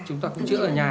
chúng ta không chữa ở nhà